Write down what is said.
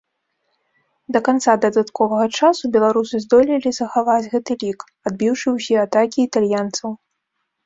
Да канца дадатковага часу беларусы здолелі захаваць гэты лік, адбіўшы ўсе атакі італьянцаў.